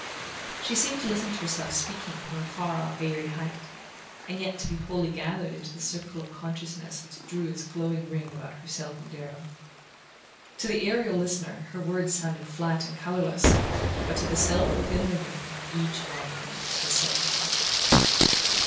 She seemed to listen to herself speaking from a far off airy height, and yet to be wholly gathered into the circle of consciousness which drew its glowing ring about herself and Darrow. To the aerial listener her words sounded flat and colourless, but to the self within the ring each one beat with a separate heart.